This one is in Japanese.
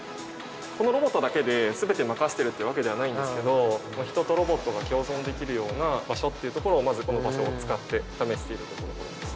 このロボットだけですべて任せてるってわけではないんですけど人とロボットが共存できるような場所っていうところをまずこの場所を使って試しているところです。